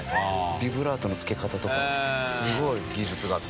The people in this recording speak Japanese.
ビブラートのつけ方とかすごい技術が詰まってますね。